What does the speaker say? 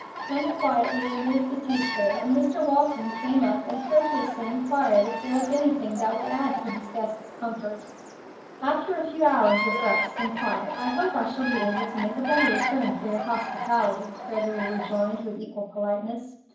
Hannah quietly removed the tea tray, and Mr. Walton came up and courteously inquired if there was anything that would add to his guest's comfort. "After a few hours of rest and quiet I hope I shall be able to make a better return for your hospitality," Gregory rejoined, with equal politeness.